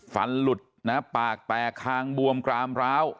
ฟันหลุดนะปากแตกคางบวมกรามร้าว